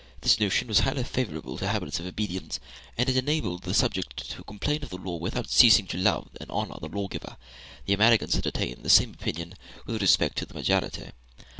This notion was highly favorable to habits of obedience, and it enabled the subject to complain of the law without ceasing to love and honor the lawgiver. The Americans entertain the same opinion with respect to the majority.